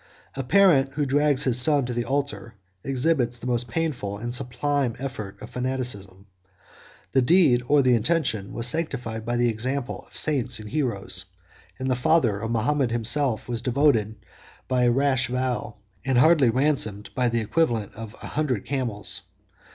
52 A parent who drags his son to the altar, exhibits the most painful and sublime effort of fanaticism: the deed, or the intention, was sanctified by the example of saints and heroes; and the father of Mahomet himself was devoted by a rash vow, and hardly ransomed for the equivalent of a hundred camels.